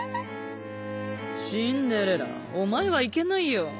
「シンデレラおまえはいけないよ！